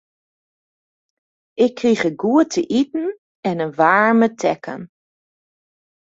Ik krige goed te iten en in waarme tekken.